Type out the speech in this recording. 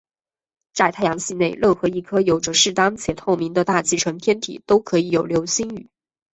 在太阳系内任何一颗有着适当且透明大气层的天体都可以有流星雨。